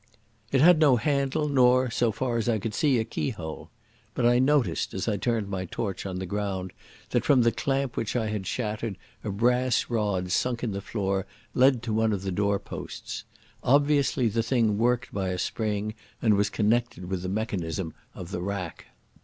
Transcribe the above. It had no handle nor, so far as I could see, a keyhole.... But I noticed, as I turned my torch on the ground, that from the clamp which I had shattered a brass rod sunk in the floor led to one of the door posts. Obviously the thing worked by a spring and was connected with the mechanism of the rack.